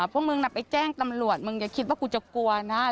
พวกมึงน่ะไปแจ้งตำรวจมึงอย่าคิดว่ากูจะกลัวนะ